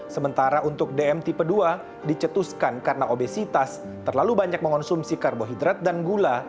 sementara untuk dm tipe dua dicetuskan karena obesitas terlalu banyak mengonsumsi karbohidrat dan gula